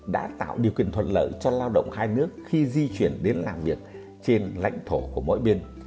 đã tạo điều kiện thuận lợi cho lao động hai nước khi di chuyển đến làm việc trên lãnh thổ của mỗi bên